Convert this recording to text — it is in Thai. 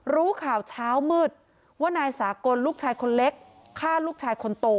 รู้ข่าวเช้ามืดว่านายสากลลูกชายคนเล็กฆ่าลูกชายคนโต